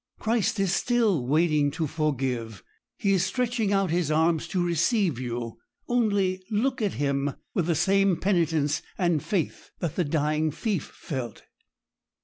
Christ is still waiting to forgive; He is stretching out His arms to receive you. Only look at Him with the same penitence and faith that the dying thief felt.'